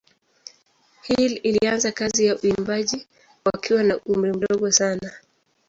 Hill alianza kazi za uimbaji wakiwa na umri mdogo sana.